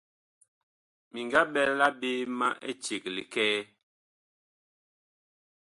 Mi nga ɓɛla ɓe ma éceg likɛɛ.